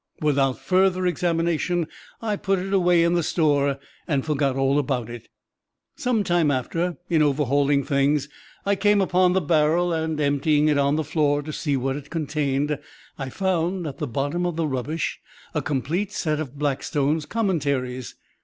Without further examination I put it away in the store and forgot all about it. "Some time after, in overhauling things, I came upon the barrel, and emptying it on the floor to see what it contained, I found at the bottom of the rubbish a complete set of 'Blackstone's Commentaries.'